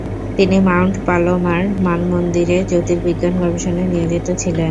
তিনি Mount Palomar মানমন্দিরে জ্যোতির্বিজ্ঞান গবেষণায় নিয়োজিত ছিলেন।